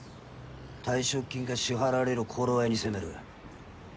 退職金が支払われる頃合いに攻める。